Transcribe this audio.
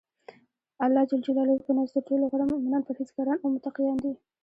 الله ج په نزد ترټولو غوره مؤمنان پرهیزګاران او متقیان دی.